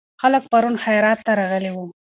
خلک پرون خیرات ته راغلي وو.